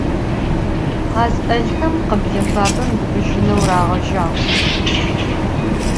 Khaz 'elxem khıble fabem bıbıjıneu rağejağ.